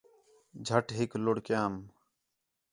جھٹیک لُڑھ کیام